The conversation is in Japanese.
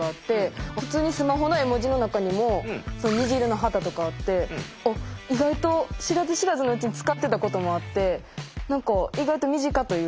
普通にスマホの絵文字の中にも虹色の旗とかあって意外と知らず知らずのうちに使ってたこともあって何か意外と身近というか。